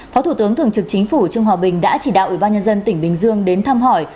phó thủ tướng thường trực chính phủ trương hòa bình đã chỉ đạo ủy ban nhân dân tỉnh bình dương đến thăm hỏi